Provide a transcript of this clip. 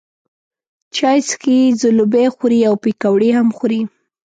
چای څښي، ځلوبۍ خوري او پیکوړې هم خوري.